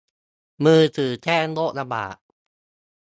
มือถือแจ้งโรคระบาด